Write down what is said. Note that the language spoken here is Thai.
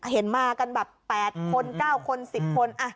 เห็นมากันแบบ๘คน๙คน๑๐คน